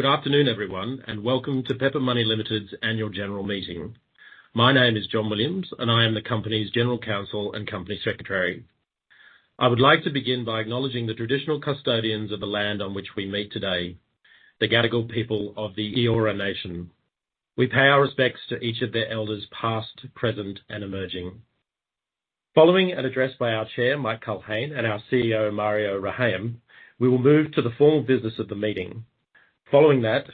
Good afternoon, everyone, welcome to Pepper Money Limited's annual general meeting. My name is John Williams, and I am the company's general counsel and company secretary. I would like to begin by acknowledging the traditional custodians of the land on which we meet today, the Gadigal people of the Eora Nation. We pay our respects to each of their elders past, present, and emerging. Following an address by our Chair, Mike Culhane, and our CEO, Mario Rehayem, we will move to the formal business of the meeting. Following that,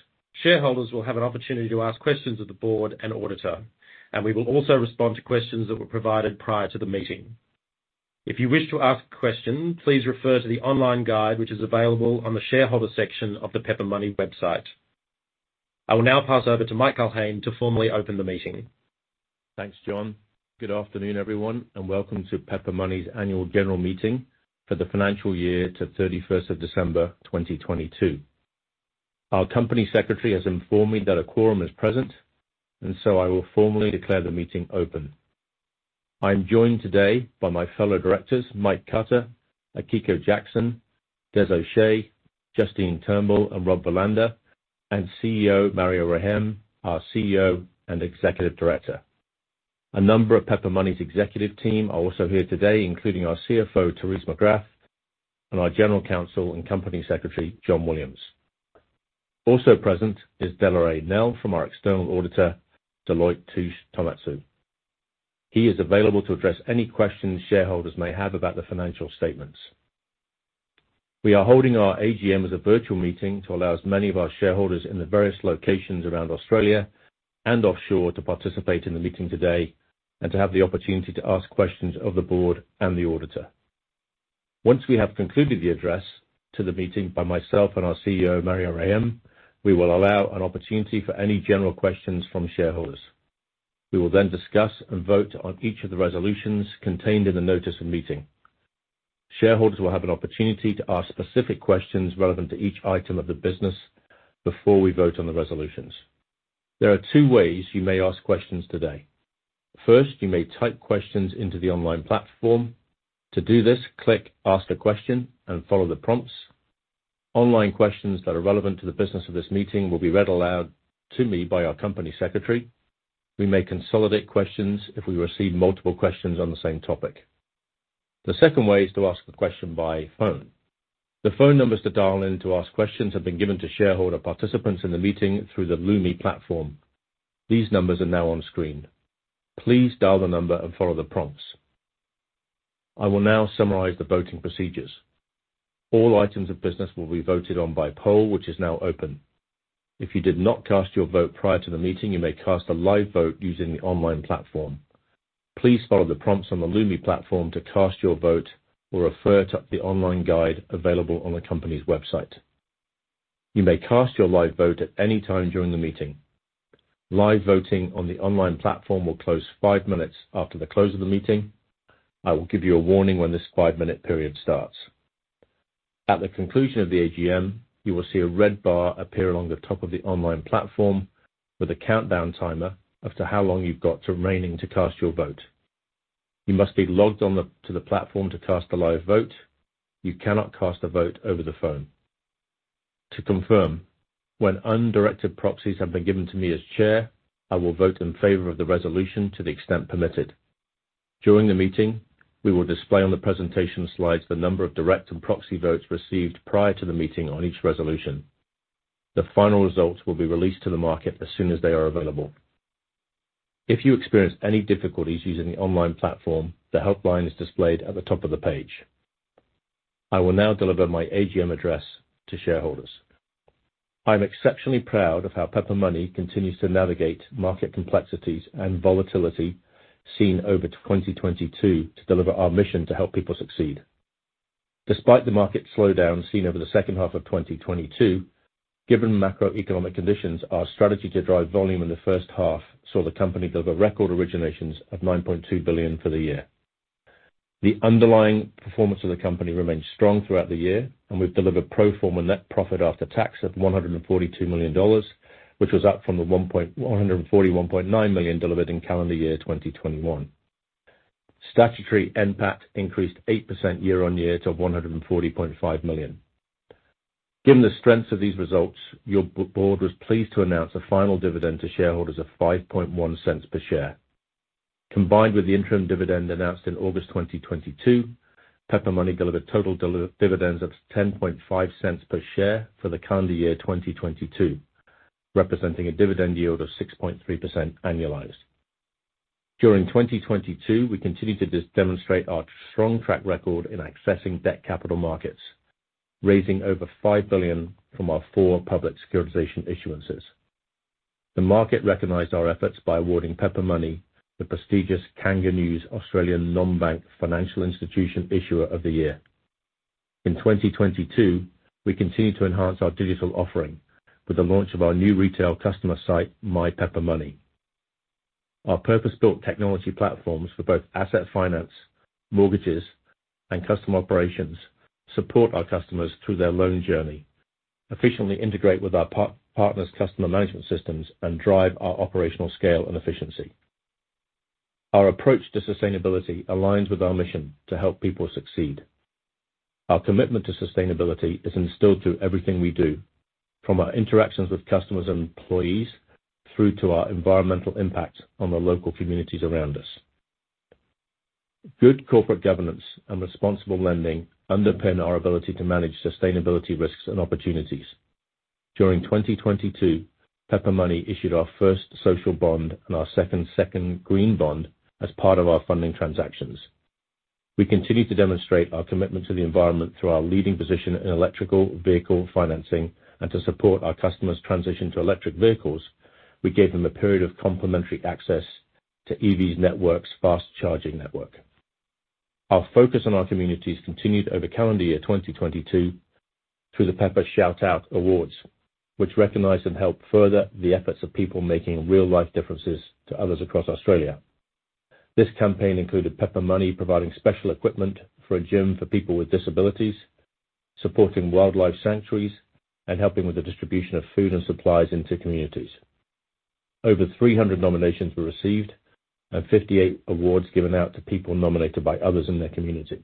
shareholders will have an opportunity to ask questions of the board and auditor, and we will also respond to questions that were provided prior to the meeting. If you wish to ask a question, please refer to the online guide, which is available on the shareholder section of the Pepper Money website. I will now pass over to Mike Culhane to formally open the meeting. Thanks, John. Good afternoon, everyone, welcome to Pepper Money's annual general meeting for the financial year to 31st of December, 2022. Our company secretary has informed me that a quorum is present. I will formally declare the meeting open. I'm joined today by my fellow directors, Mike Cutter, Akiko Jackson, Des O'Shea, Justine Turnbull, and Rob Verlander, and CEO, Mario Rehayem, our CEO and executive director. A number of Pepper Money's executive team are also here today, including our CFO, Therese McGrath, and our general counsel and company secretary, John Williams. Also present is Delarey Nell from our external auditor, Deloitte Touche Tohmatsu. He is available to address any questions shareholders may have about the financial statements. We are holding our AGM as a virtual meeting to allow as many of our shareholders in the various locations around Australia and offshore to participate in the meeting today and to have the opportunity to ask questions of the board and the auditor. Once we have concluded the address to the meeting by myself and our CEO, Mario Rehayem, we will allow an opportunity for any general questions from shareholders. We will discuss and vote on each of the resolutions contained in the notice of meeting. Shareholders will have an opportunity to ask specific questions relevant to each item of the business before we vote on the resolutions. There are two ways you may ask questions today. First, you may type questions into the online platform. To do this, click Ask a question and follow the prompts. Online questions that are relevant to the business of this meeting will be read aloud to me by our company secretary. We may consolidate questions if we receive multiple questions on the same topic. The second way is to ask the question by phone. The phone numbers to dial in to ask questions have been given to shareholder participants in the meeting through the Lumi platform. These numbers are now on screen. Please dial the number and follow the prompts. I will now summarize the voting procedures. All items of business will be voted on by poll, which is now open. If you did not cast your vote prior to the meeting, you may cast a live vote using the online platform. Please follow the prompts on the Lumi platform to cast your vote or refer to the online guide available on the company's website. You may cast your live vote at any time during the meeting. Live voting on the online platform will close five minutes after the close of the meeting. I will give you a warning when this five-minute period starts. At the conclusion of the AGM, you will see a red bar appear along the top of the online platform with a countdown timer of to how long you've got remaining to cast your vote. You must be logged to the platform to cast a live vote. You cannot cast a vote over the phone. To confirm, when undirected proxies have been given to me as chair, I will vote in favor of the resolution to the extent permitted. During the meeting, we will display on the presentation slides the number of direct and proxy votes received prior to the meeting on each resolution. The final results will be released to the market as soon as they are available. If you experience any difficulties using the online platform, the helpline is displayed at the top of the page. I will now deliver my AGM address to shareholders. I'm exceptionally proud of how Pepper Money continues to navigate market complexities and volatility seen over to 2022 to deliver our mission to help people succeed. Despite the market slowdown seen over the H2 of 2022, given macroeconomic conditions, our strategy to drive volume in the first half saw the company deliver record originations of 9.2 billion for the year. The underlying performance of the company remained strong throughout the year. We've delivered pro forma net profit after tax of 142 million dollars, which was up from the 141.9 million delivered in calendar year 2021. Statutory NPAT increased 8% year on year to 140.5 million. Given the strengths of these results, your board was pleased to announce a final dividend to shareholders of 0.051 per share. Combined with the interim dividend announced in August 2022, Pepper Money delivered total dividends of 0.105 per share for the calendar year 2022, representing a dividend yield of 6.3% annualized. During 2022, we continued to demonstrate our strong track record in accessing debt capital markets, raising over 5 billion from our four public securitization issuances. The market recognized our efforts by awarding Pepper Money the prestigious KangaNews Australian Non-Bank Financial Institution Issuer of the Year. In 2022, we continued to enhance our digital offering with the launch of our new retail customer site, My Pepper Money. Our purpose-built technology platforms for both asset finance, mortgages, and customer operations support our customers through their loan journey, efficiently integrate with our partners' customer management systems, and drive our operational scale and efficiency. Our approach to sustainability aligns with our mission to help people succeed. Our commitment to sustainability is instilled through everything we do, from our interactions with customers and employees, through to our environmental impact on the local communities around us. Good corporate governance and responsible lending underpin our ability to manage sustainability risks and opportunities. During 2022, Pepper Money issued our first social bond and our second green bond as part of our funding transactions. We continue to demonstrate our commitment to the environment through our leading position in electrical vehicle financing and to support our customers transition to electric vehicles, we gave them a period of complimentary access to Evie Networks' fast charging network. Our focus on our communities continued over calendar year 2022 through the Pepper Shout Out Awards, which recognize and help further the efforts of people making real-life differences to others across Australia. This campaign included Pepper Money providing special equipment for a gym for people with disabilities, supporting wildlife sanctuaries, and helping with the distribution of food and supplies into communities. Over 300 nominations were received and 58 awards given out to people nominated by others in their community.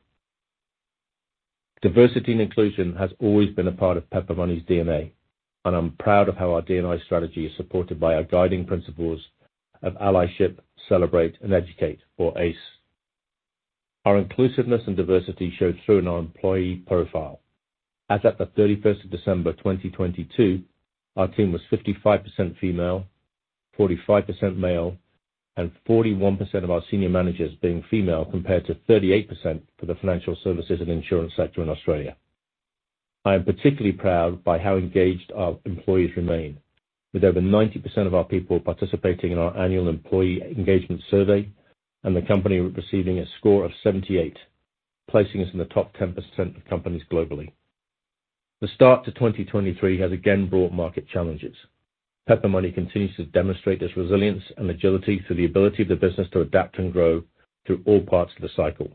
Diversity and inclusion has always been a part of Pepper Money's DNA, and I'm proud of how our D&I strategy is supported by our guiding principles of allyship, celebrate, and educate for ACE. Our inclusiveness and diversity showed through in our employee profile. As at the 31st of December, 2022, our team was 55% female, 45% male, and 41% of our senior managers being female, compared to 38% for the financial services and insurance sector in Australia. I am particularly proud by how engaged our employees remain, with over 90% of our people participating in our annual employee engagement survey and the company receiving a score of 78, placing us in the top 10% of companies globally. The start to 2023 has again brought market challenges. Pepper Money continues to demonstrate this resilience and agility through the ability of the business to adapt and grow through all parts of the cycle.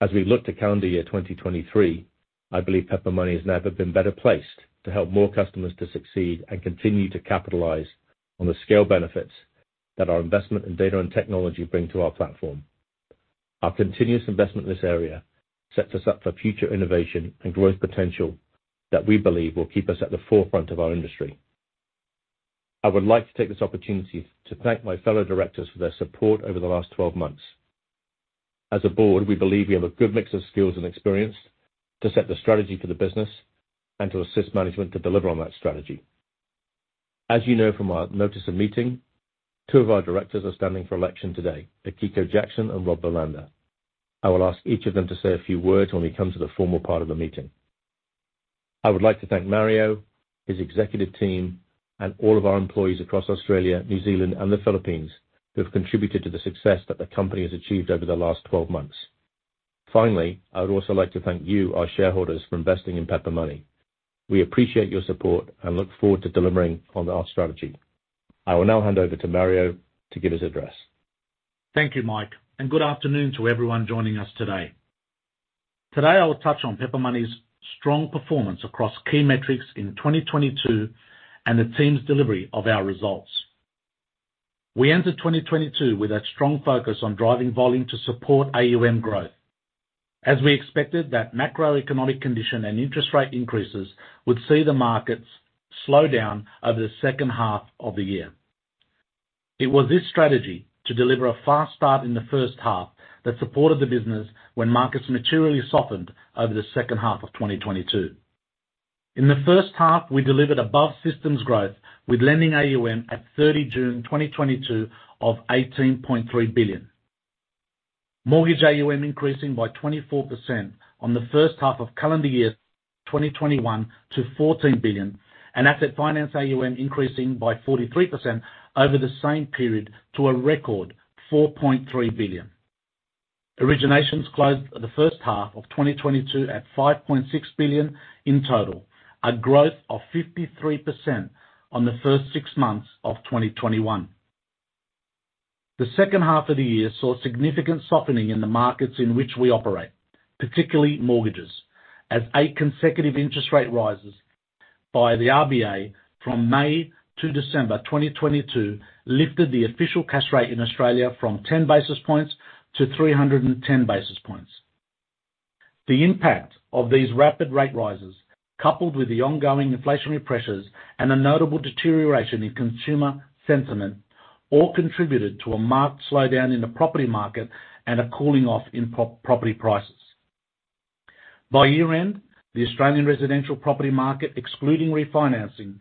As we look to calendar year 2023, I believe Pepper Money has never been better placed to help more customers to succeed and continue to capitalize on the scale benefits that our investment in data and technology bring to our platform. Our continuous investment in this area sets us up for future innovation and growth potential that we believe will keep us at the forefront of our industry. I would like to take this opportunity to thank my fellow directors for their support over the last 12 months. As a board, we believe we have a good mix of skills and experience to set the strategy for the business and to assist management to deliver on that strategy. As you know from our notice of meeting, two of our directors are standing for election today, Akiko Jackson and Rob Verlander. I will ask each of them to say a few words when we come to the formal part of the meeting. I would like to thank Mario, his executive team, and all of our employees across Australia, New Zealand, and the Philippines who have contributed to the success that the company has achieved over the last 12 months. I would also like to thank you, our shareholders, for investing in Pepper Money. We appreciate your support and look forward to delivering on our strategy. I will now hand over to Mario to give his address. Thank you, Mike, and good afternoon to everyone joining us today. Today, I'll touch on Pepper Money's strong performance across key metrics in 2022 and the team's delivery of our results. We entered 2022 with a strong focus on driving volume to support AUM growth, as we expected that macroeconomic condition and interest rate increases would see the markets slow down over the H2 of the year. It was this strategy to deliver a fast start in the first half that supported the business when markets materially softened over the H2 of 2022. In the first half, we delivered above systems growth with lending AUM at 30 June 2022 of 18.3 billion. Mortgage AUM increasing by 24% on the first half of calendar year 2021 to AUD 14 billion, and asset finance AUM increasing by 43% over the same period to a record 4.3 billion. Originations closed the first half of 2022 at 5.6 billion in total, a growth of 53% on the first six months of 2021. The H2 of the year saw significant softening in the markets in which we operate, particularly mortgages, as eight consecutive interest rate rises by the RBA from May to December 2022 lifted the official cash rate in Australia from 10 basis points to 310 basis points. The impact of these rapid rate rises, coupled with the ongoing inflationary pressures and a notable deterioration in consumer sentiment, all contributed to a marked slowdown in the property market and a cooling off in property prices. By year-end, the Australian residential property market, excluding refinancing,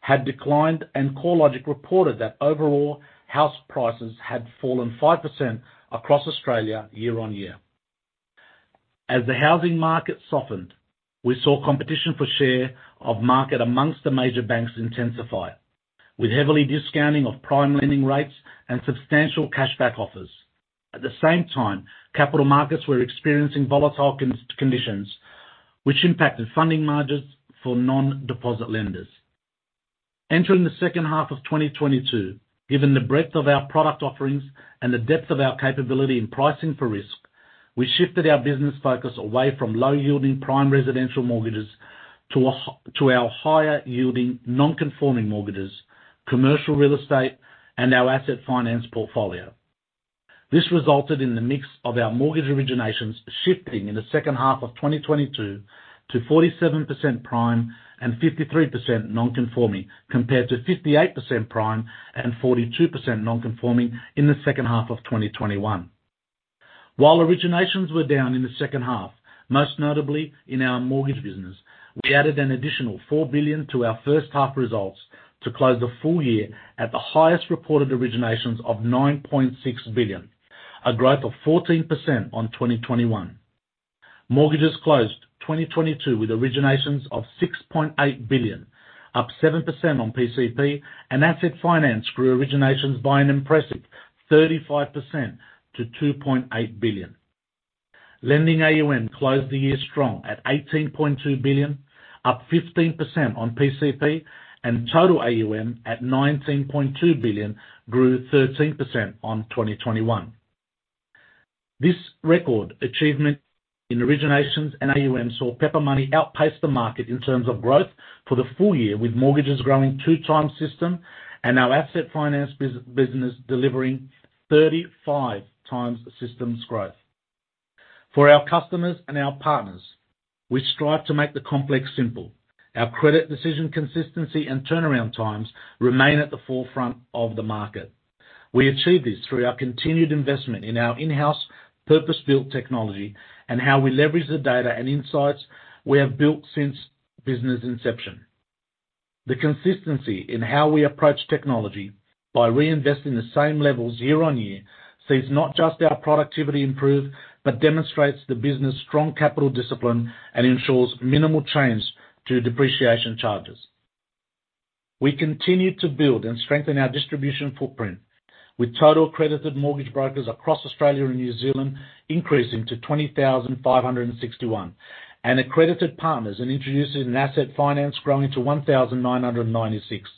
had declined, and CoreLogic reported that overall house prices had fallen 5% across Australia year on year. As the housing market softened, we saw competition for share of market amongst the major banks intensify, with heavily discounting of prime lending rates and substantial cashback offers. At the same time, capital markets were experiencing volatile conditions which impacted funding margins for non-deposit lenders. Entering the H2 of 2022, given the breadth of our product offerings and the depth of our capability in pricing for risk. We shifted our business focus away from low-yielding prime residential mortgages to our higher yielding non-conforming mortgages, commercial real estate, and our asset finance portfolio. This resulted in the mix of our mortgage originations shifting in the H2 of 2022 to 47% prime and 53% non-conforming, compared to 58% prime and 42% non-conforming in the H2 of 2021. While originations were down in the H2, most notably in our mortgage business, we added an additional 4 billion to our first half results to close the full year at the highest reported originations of 9.6 billion, a growth of 14% on 2021. Mortgages closed 2022 with originations of 6.8 billion, up 7% on PCP. Asset finance grew originations by an impressive 35% to 2.8 billion. Lending AUM closed the year strong at 18.2 billion, up 15% on PCP. Total AUM at 19.2 billion grew 13% on 2021. This record achievement in originations and AUM saw Pepper Money outpace the market in terms of growth for the full year with mortgages growing 2x system and our asset finance business delivering 35x the systems growth. For our customers and our partners, we strive to make the complex simple. Our credit decision consistency and turnaround times remain at the forefront of the market. We achieve this through our continued investment in our in-house purpose-built technology and how we leverage the data and insights we have built since business inception. The consistency in how we approach technology by reinvesting the same levels year on year sees not just our productivity improve, but demonstrates the business strong capital discipline and ensures minimal change to depreciation charges. We continue to build and strengthen our distribution footprint with total accredited mortgage brokers across Australia and New Zealand, increasing to 20,561, and accredited partners and introducers in asset finance growing to 1,996.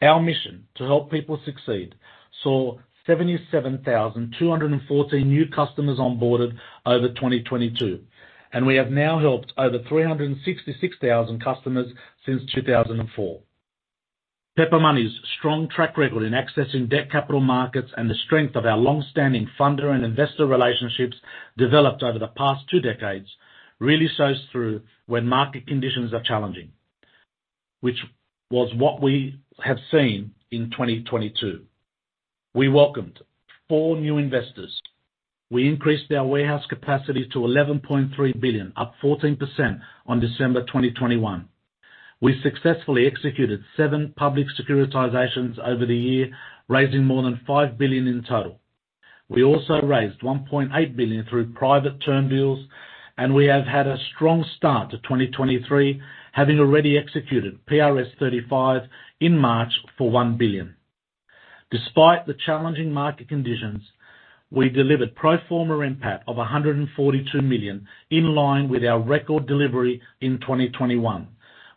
Our mission to help people succeed saw 77,214 new customers onboarded over 2022, and we have now helped over 366,000 customers since 2004. Pepper Money's strong track record in accessing debt capital markets and the strength of our long-standing funder and investor relationships developed over the past two decades really shows through when market conditions are challenging, which was what we have seen in 2022. We welcomed four new investors. We increased our warehouse capacity to 11.3 billion, up 14% on December 2021. We successfully executed seven public securitizations over the year, raising more than 5 billion in total. We also raised 1.8 billion through private term bills. We have had a strong start to 2023, having already executed PRS 35 in March for 1 billion. Despite the challenging market conditions, we delivered pro forma NPAT of 142 million, in line with our record delivery in 2021,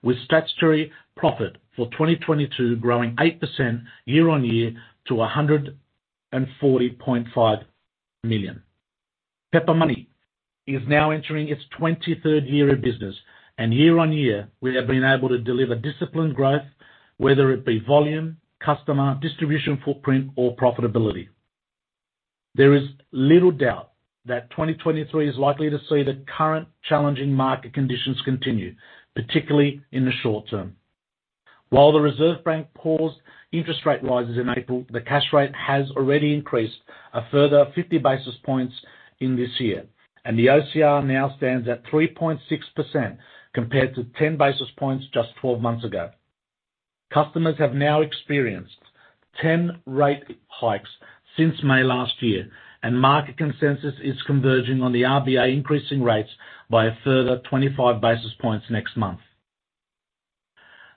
with statutory profit for 2022 growing 8% year-on-year to 140.5 million. Pepper Money is now entering its 23rd year of business. Year-on-year, we have been able to deliver disciplined growth, whether it be volume, customer, distribution footprint, or profitability. There is little doubt that 2023 is likely to see the current challenging market conditions continue, particularly in the short term. While the Reserve Bank paused interest rate rises in April, the cash rate has already increased a further 50 basis points in this year. The OCR now stands at 3.6% compared to 10 basis points just 12 months ago. Customers have now experienced 10 rate hikes since May last year, market consensus is converging on the RBA increasing rates by a further 25 basis points next month.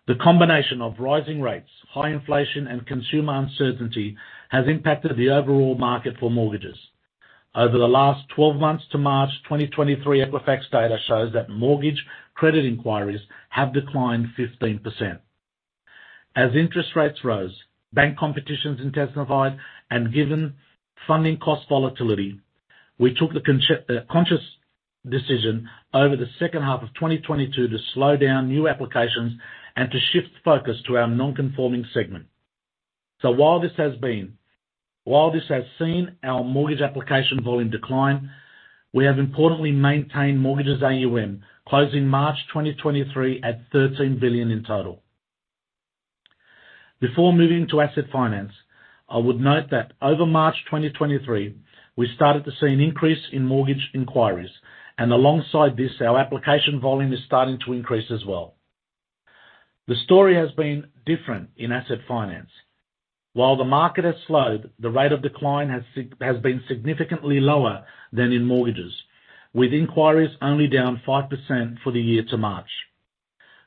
The combination of rising rates, high inflation, and consumer uncertainty has impacted the overall market for mortgages. Over the last 12 months to March 2023, Equifax data shows that mortgage credit inquiries have declined 15%. As interest rates rose, bank competitions intensified, given funding cost volatility, we took the conscious decision over the H2 of 2022 to slow down new applications and to shift focus to our non-conforming segment. While this has seen our mortgage application volume decline, we have importantly maintained mortgages AUM, closing March 2023 at 13 billion in total. Before moving to asset finance, I would note that over March 2023, we started to see an increase in mortgage inquiries. Alongside this, our application volume is starting to increase as well. The story has been different in asset finance. While the market has slowed, the rate of decline has been significantly lower than in mortgages, with inquiries only down 5% for the year to March.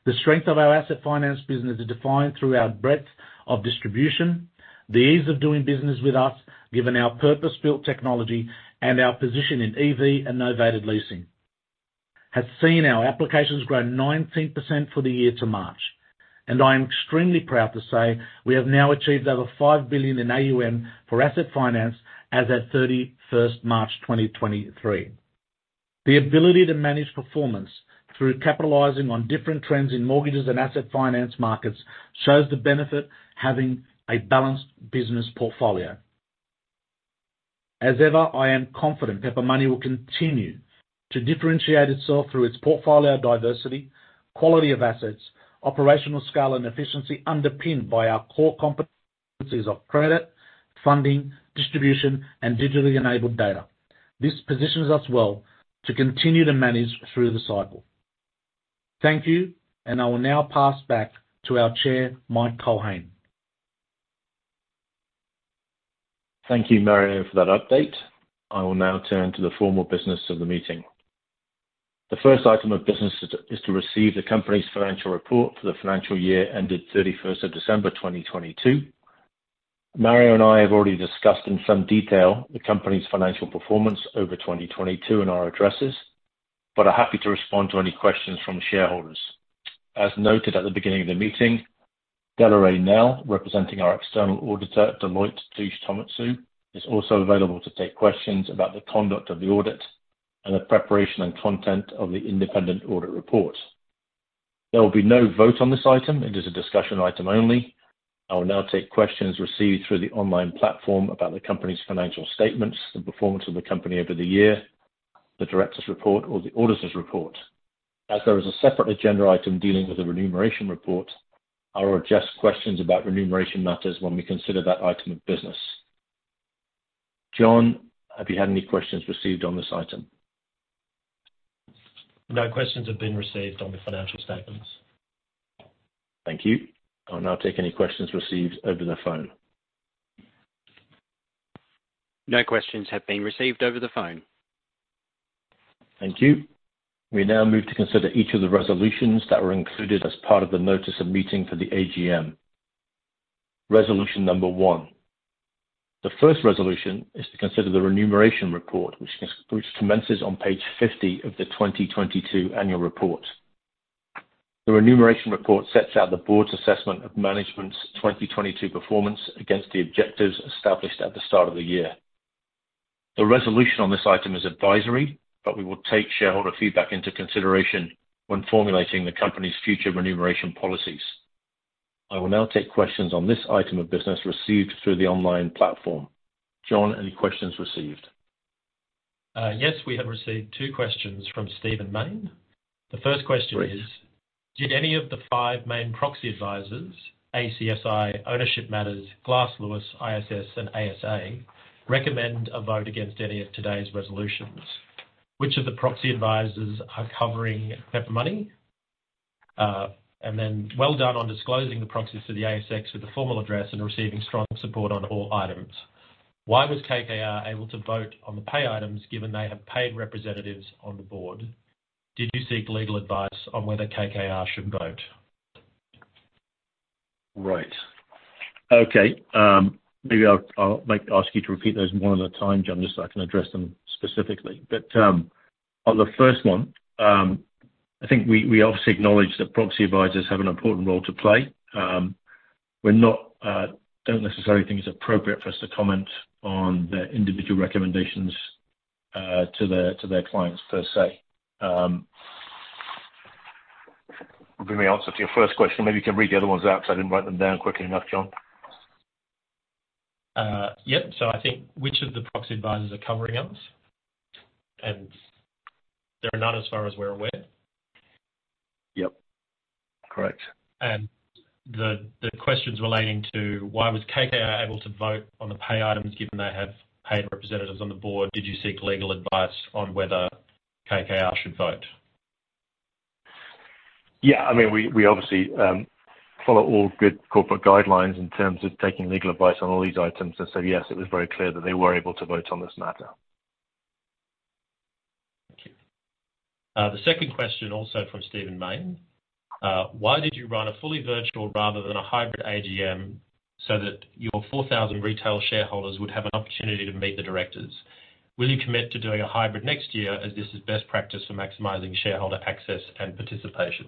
The strength of our asset finance business is defined through our breadth of distribution, the ease of doing business with us, given our purpose-built technology and our position in EV and novated leasing, has seen our applications grow 19% for the year to March. I am extremely proud to say we have now achieved over 5 billion in AUM for asset finance as at 31st March 2023. The ability to manage performance through capitalizing on different trends in mortgages and asset finance markets shows the benefit having a balanced business portfolio. As ever, I am confident Pepper Money will continue to differentiate itself through its portfolio diversity, quality of assets, operational scale and efficiency underpinned by our core competencies of credit, funding, distribution, and digitally enabled data. This positions us well to continue to manage through the cycle. Thank you, I will now pass back to our Chair, Mike Culhane. Thank you, Mario, for that update. I will now turn to the formal business of the meeting. The first item of business is to receive the company's financial report for the financial year ended 31st of December 2022. Mario and I have already discussed in some detail the company's financial performance over 2022 in our addresses but are happy to respond to any questions from shareholders. As noted at the beginning of the meeting, Delarey Nell, representing our external auditor at Deloitte Touche Tohmatsu, is also available to take questions about the conduct of the audit and the preparation and content of the independent audit report. There will be no vote on this item. It is a discussion item only. I will now take questions received through the online platform about the company's financial statements, the performance of the company over the year, the directors report, or the auditors report. As there is a separate agenda item dealing with the remuneration report, I will address questions about remuneration matters when we consider that item of business. John, have you had any questions received on this item? No questions have been received on the financial statements. Thank you. I'll now take any questions received over the phone. No questions have been received over the phone. Thank you. We now move to consider each of the resolutions that were included as part of the notice of meeting for the AGM. Resolution number one. The first resolution is to consider the remuneration report, which commences on page 50 of the 2022 annual report. The remuneration report sets out the board's assessment of management's 2022 performance against the objectives established at the start of the year. The resolution on this item is advisory. We will take shareholder feedback into consideration when formulating the company's future remuneration policies. I will now take questions on this item of business received through the online platform. John, any questions received? Yes, we have received two questions from Stephen Mayne. The first question is, did any of the five main proxy advisors, ACSI, Ownership Matters, Glass Lewis, ISS, and ASA, recommend a vote against any of today's resolutions? Which of the proxy advisors are covering Pepper Money? Well done on disclosing the proxies to the ASX with the formal address and receiving strong support on all items. Why was KKR able to vote on the pay items, given they have paid representatives on the board? Did you seek legal advice on whether KKR should vote? Right. Okay. Maybe I'll ask you to repeat those one at a time, John, just so I can address them specifically. On the first one, I think we obviously acknowledge that proxy advisors have an important role to play. We don't necessarily think it's appropriate for us to comment on their individual recommendations to their clients per se. Giving the answer to your first question, maybe you can read the other ones out because I didn't write them down quickly enough, John. Yep. I think which of the proxy advisors are covering us? There are none as far as we're aware. Yep. Correct. The questions relating to why was KKR able to vote on the pay items given they have paid representatives on the board, did you seek legal advice on whether KKR should vote? Yeah. I mean, we obviously follow all good corporate guidelines in terms of taking legal advice on all these items. Yes, it was very clear that they were able to vote on this matter. Thank you. The second question, also from Stephen Mayne, why did you run a fully virtual rather than a hybrid AGM so that your 4,000 retail shareholders would have an opportunity to meet the directors? Will you commit to doing a hybrid next year as this is best practice for maximizing shareholder access and participation?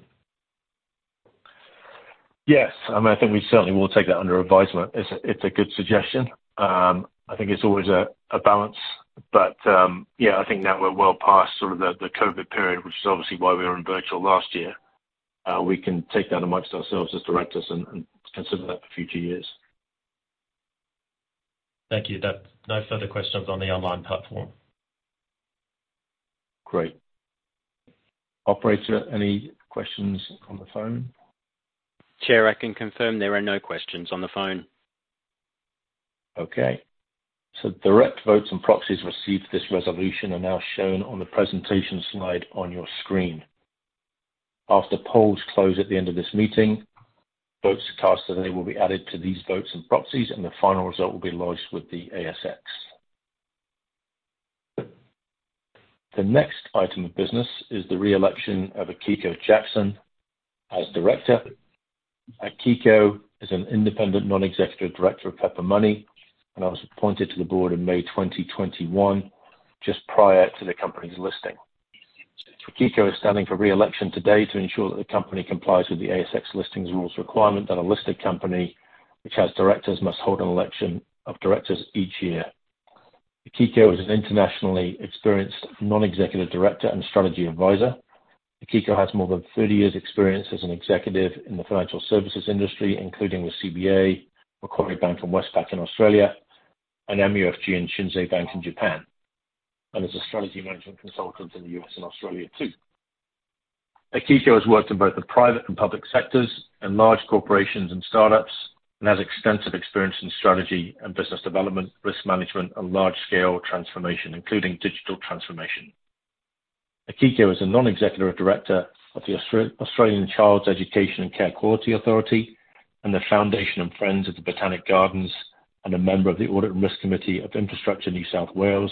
Yes. I mean, I think we certainly will take that under advisement. It's a good suggestion. I think it's always a balance. Yeah, I think now we're well past sort of the COVID period, which is obviously why we were in virtual last year. We can take that amongst ourselves as directors and consider that for future years. Thank you. No further questions on the online platform. Great. Operator, any questions on the phone? Chair, I can confirm there are no questions on the phone. Okay. Direct votes and proxies received for this resolution are now shown on the presentation slide on your screen. After polls close at the end of this meeting, votes cast today will be added to these votes and proxies, and the final result will be lodged with the ASX. The next item of business is the reelection of Akiko Jackson as director. Akiko is an Independent Non-Executive Director of Pepper Money and was appointed to the board in May 2021, just prior to the company's listing. Akiko is standing for re-election today to ensure that the company complies with the ASX Listing Rules requirement that a listed company which has directors must hold an election of directors each year. Akiko is an internationally experienced non-executive director and strategy advisor. Akiko has more than 30 years experience as an executive in the financial services industry, including with CBA, Macquarie Bank, and Westpac in Australia, and MUFG and Shinsei Bank in Japan, and as a strategy management consultant in the US and Australia too. Akiko has worked in both the private and public sectors and large corporations and startups, and has extensive experience in strategy and business development, risk management, and large scale transformation, including digital transformation. Akiko is a non-executive director of the Australian Children's Education and Care Quality Authority and the Foundation and Friends of the Botanic Gardens, and a member of the Audit and Risk Committee of Infrastructure NSW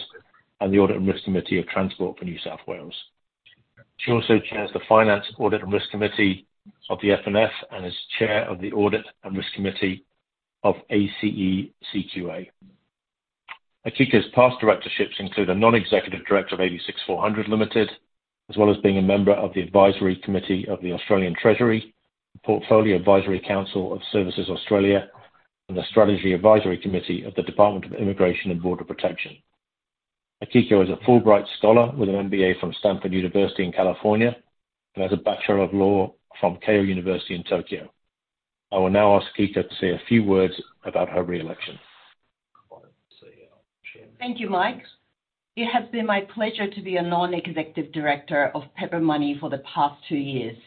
and the Audit and Risk Committee of Transport for NSW. She also chairs the Finance Audit and Risk Committee of the F&F and is chair of the Audit and Risk Committee of ACECQA. Akiko's past directorships include a Non-Executive Director of 86 400 Limited, as well as being a member of the Advisory Committee of the Australian Treasury, the Portfolio Advisory Council of Services Australia, and the Strategy Advisory Committee of the Department of Immigration and Border Protection. Akiko is a Fulbright scholar with an MBA from Stanford University in California and has a Bachelor of Law from Keio University in Tokyo. I will now ask Akiko to say a few words about her re-election. Thank you, Mike. It has been my pleasure to be a non-executive director of Pepper Money for the past two years.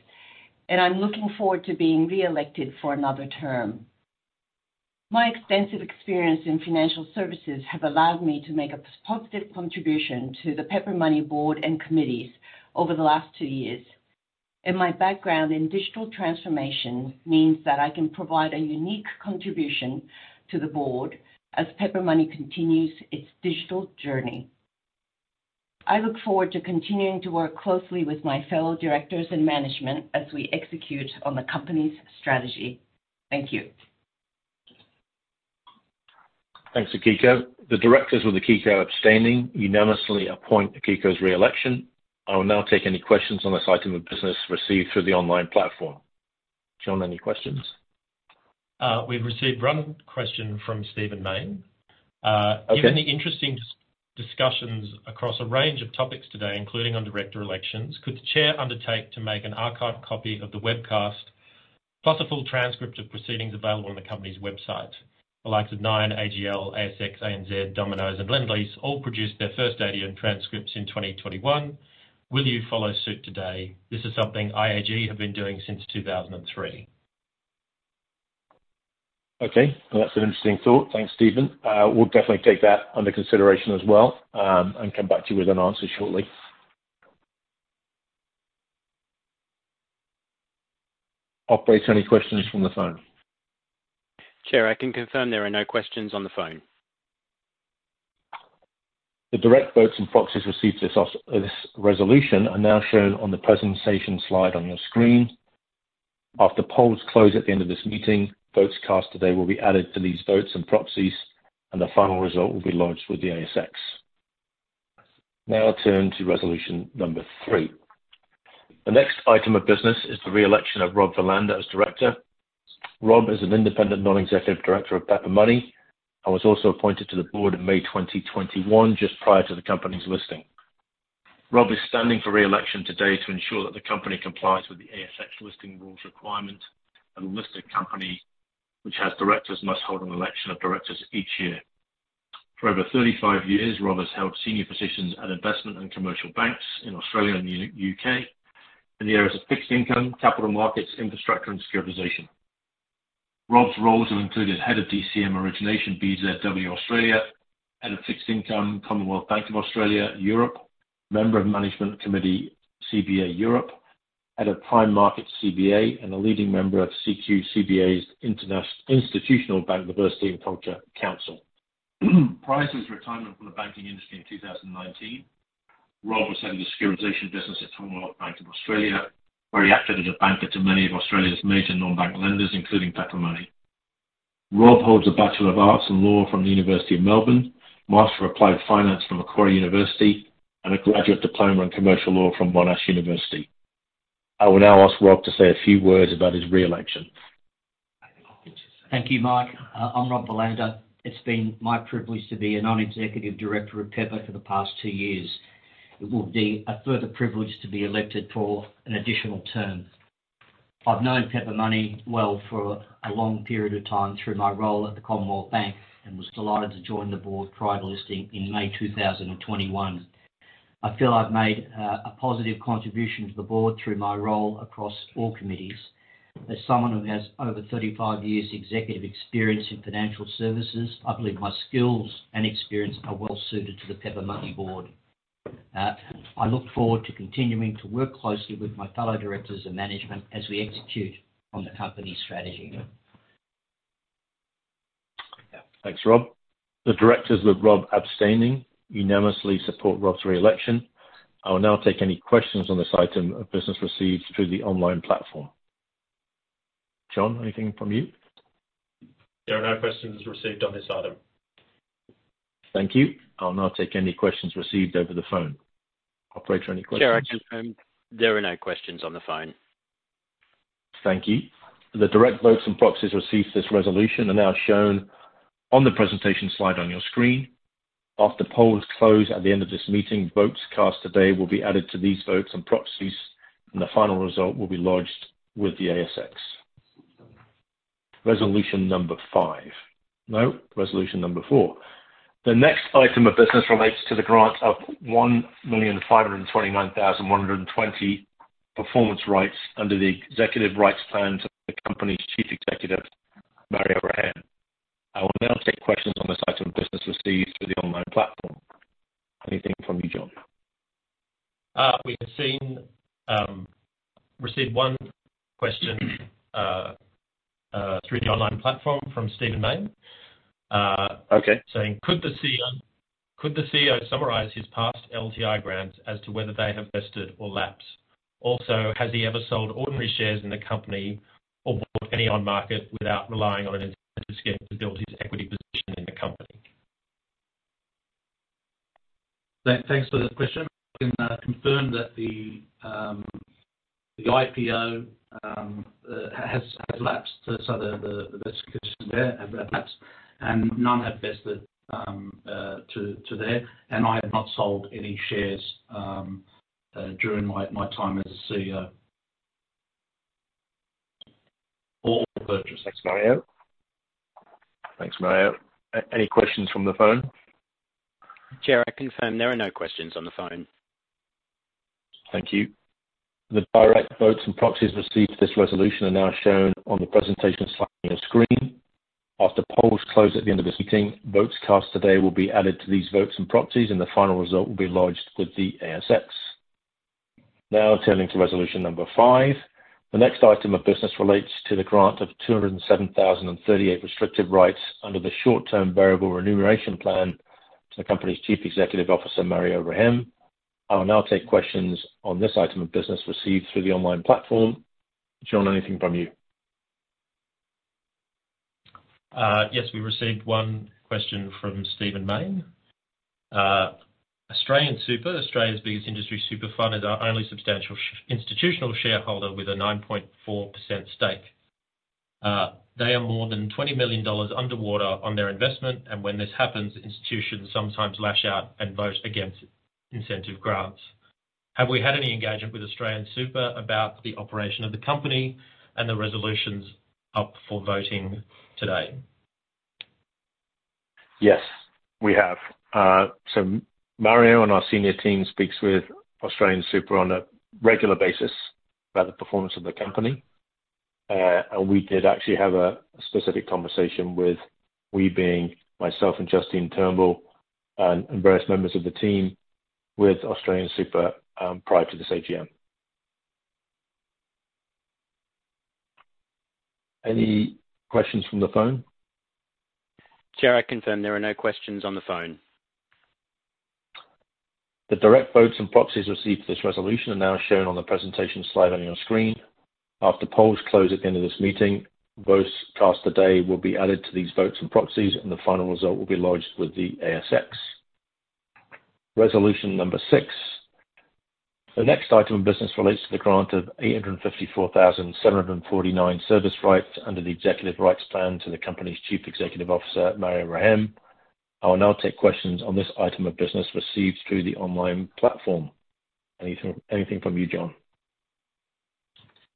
I'm looking forward to being re-elected for another term. My extensive experience in financial services have allowed me to make a positive contribution to the Pepper Money board and committees over the last two years. My background in digital transformation means that I can provide a unique contribution to the board as Pepper Money continues its digital journey. I look forward to continuing to work closely with my fellow directors and management as we execute on the company's strategy. Thank you. Thanks, Akiko. The directors with Akiko abstaining unanimously appoint Akiko's re-election. I will now take any questions on this item of business received through the online platform. John, any questions? We've received one question from Stephen Mayne. Okay. Given the interesting discussions across a range of topics today, including on director elections, could the chair undertake to make an archived copy of the webcast, plus a full transcript of proceedings available on the company's website? The likes of Nine, AGL, ASX, ANZ, Domino's, and Lendlease all produced their first ADM transcripts in 2021. Will you follow suit today? This is something IAG have been doing since 2003. Okay. Well, that's an interesting thought. Thanks, Stephen. We'll definitely take that under consideration as well, and come back to you with an answer shortly. Operators, any questions from the phone? Chair, I can confirm there are no questions on the phone. The direct votes and proxies received this resolution are now shown on the presentation slide on your screen. After polls close at the end of this meeting, votes cast today will be added to these votes and proxies, and the final result will be launched with the ASX. Turn to resolution number three. The next item of business is the re-election of Rob Verlander as director. Rob is an Independent Non-Executive Director of Pepper Money and was also appointed to the board in May 2021, just prior to the company's listing. Rob is standing for re-election today to ensure that the company complies with the ASX Listing Rules requirement. A listed company which has directors must hold an election of directors each year. For over 35 years, Rob has held senior positions at investment and commercial banks in Australia and UK in the areas of fixed income, capital markets, infrastructure, and securitization. Rob's roles have included Head of DCM Origination, BZW Australia, Head of Fixed Income, Commonwealth Bank of Australia, Europe, Member of Management Committee, CBA Europe, Head of Prime Markets, CBA, and a leading member of CBA's Institutional Bank Diversity and Culture Council. Prior to his retirement from the banking industry in 2019, Rob was head of the securitization business at Commonwealth Bank of Australia, where he acted as a banker to many of Australia's major non-bank lenders, including Pepper Money. Rob holds a Bachelor of Arts and Law from the University of Melbourne, Master of Applied Finance from Macquarie University, and a Graduate Diploma in Commercial Law from Monash University. I will now ask Rob to say a few words about his re-election. Thank you, Mike. I'm Rob Verlander. It's been my privilege to be a non-executive director of Pepper for the past two years. It will be a further privilege to be elected for an additional term. I've known Pepper Money well for a long period of time through my role at the Commonwealth Bank and was delighted to join the board prior to listing in May 2021. I feel I've made a positive contribution to the board through my role across all committees. As someone who has over 35 years executive experience in financial services, I believe my skills and experience are well suited to the Pepper Money board. I look forward to continuing to work closely with my fellow directors and management as we execute on the company's strategy. Thanks, Rob. The directors, with Rob abstaining, unanimously support Rob's reelection. I will now take any questions on this item of business received through the online platform. John, anything from you? There are no questions received on this item. Thank you. I'll now take any questions received over the phone. Operator, any questions? Sir, I confirm there are no questions on the phone. Thank you. The direct votes and proxies received to this resolution are now shown on the presentation slide on your screen. After polls close at the end of this meeting, votes cast today will be added to these votes and proxies, and the final result will be lodged with the ASX. Resolution number five. No, resolution number four. The next item of business relates to the grant of 1,529,120 performance rights under the Equity Incentive Plan to the company's chief executive, Mario Rehayem. I will now take questions on this item of business received through the online platform. Anything from you, John? We received one question through the online platform from Stephen Mayne. Okay. Saying, "Could the CEO summarize his past LTI grants as to whether they have vested or lapsed? Has he ever sold ordinary shares in the company or bought any on market without relying on an incentive to skip the ability to equity position in the company?" Thanks for the question. I can confirm that the IPO has lapsed. The best question there have lapsed and none have vested to there, I have not sold any shares during my time as the CEO. Thanks, Mario. Any questions from the phone? Chair, I confirm there are no questions on the phone. Thank you. The direct votes and proxies received to this resolution are now shown on the presentation slide on your screen. After polls close at the end of this meeting, votes cast today will be added to these votes and proxies, and the final result will be lodged with the ASX. Turning to resolution number five. The next item of business relates to the grant of 207,038 restrictive rights under the short-term variable remuneration plan to the company's Chief Executive Officer, Mario Rehayem. I will now take questions on this item of business received through the online platform. John, anything from you? Yes, we received one question Stephen Mayne. australiansuper, Australia's biggest industry super fund, is our only substantial institutional shareholder with a 9.4% stake. They are more than 20 million dollars underwater on their investment. When this happens, institutions sometimes lash out and vote against incentive grants. Have we had any engagement with AustralianSuper about the operation of the company and the resolutions up for voting today? Yes, we have. Mario and our senior team speaks with AustralianSuper on a regular basis about the performance of the company. We did actually have a specific conversation with, we being myself and Justine Turnbull, and various members of the team with AustralianSuper, prior to this AGM. Any questions from the phone? Chair, I confirm there are no questions on the phone. The direct votes and proxies received to this resolution are now shown on the presentation slide on your screen. After polls close at the end of this meeting, votes cast today will be added to these votes and proxies, and the final result will be lodged with the ASX. Resolution number six. The next item of business relates to the grant of 854,749 service rights under the Equity Incentive Plan to the company's chief executive officer, Mario Rehayem. I will now take questions on this item of business received through the online platform. Anything from you, John?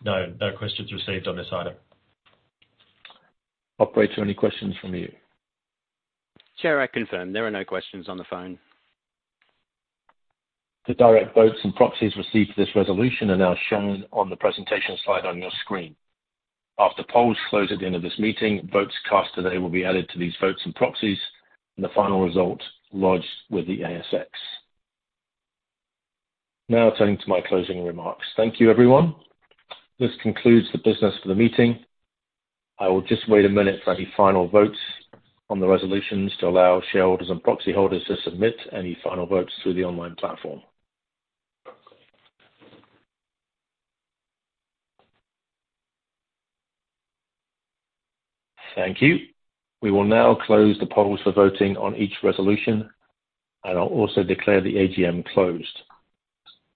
No. No questions received on this item. Operator, any questions from you? Chair, I confirm there are no questions on the phone. The direct votes and proxies received to this resolution are now shown on the presentation slide on your screen. After polls close at the end of this meeting, votes cast today will be added to these votes and proxies and the final result lodged with the ASX. Turning to my closing remarks. Thank you, everyone. This concludes the business for the meeting. I will just wait a minute for any final votes on the resolutions to allow shareholders and proxy holders to submit any final votes through the online platform. Thank you. We will now close the polls for voting on each resolution, and I'll also declare the AGM closed.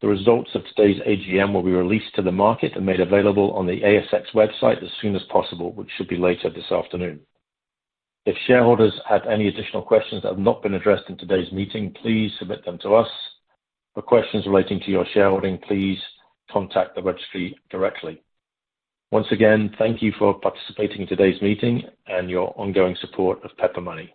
The results of today's AGM will be released to the market and made available on the ASX website as soon as possible, which should be later this afternoon. If shareholders have any additional questions that have not been addressed in today's meeting, please submit them to us. For questions relating to your shareholding, please contact the registry directly. Once again, thank you for participating in today's meeting and your ongoing support of Pepper Money.